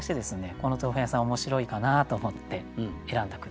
このお豆腐屋さん面白いかなと思って選んだ句ですね。